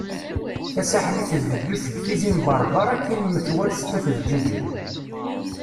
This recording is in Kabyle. Tasaḥlit tbeddu seg Tizi n Berber akkin metwal Sṭif d Jijel.